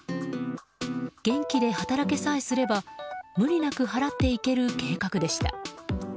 元気で働けさえすれば無理なく払っていける計画でした。